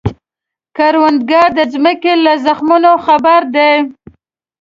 کروندګر د ځمکې له زخمونو خبر دی